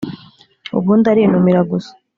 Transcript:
ubundi arinumira gusa